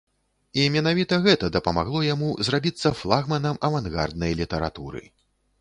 І менавіта гэта дапамагло яму зрабіцца флагманам авангарднай літаратуры.